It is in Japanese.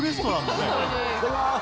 いただきます。